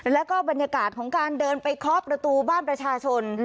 แล้วก็บรรยากาศของการเดินไปเคาะประตูบ้านประชาชน